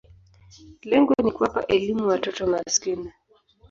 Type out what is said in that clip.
Lengo ni kuwapa elimu watoto maskini.